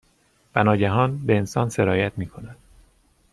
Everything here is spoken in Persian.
و ناگهان، به انسان سرایت میکند